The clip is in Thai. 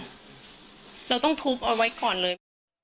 เราต้องทุบเอาไว้ก่อนเลย